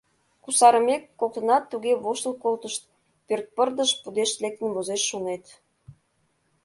Кусарымек, коктынат туге воштыл колтышт — пӧрт пырдыж пудешт лектын возеш, шонет.